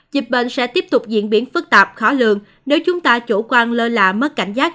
dịch bệnh sẽ tiếp tục diễn biến phức tạp khó lường nếu chúng ta chủ quan lơ là mất cảnh giác